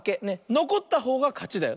のこったほうがかちだよ。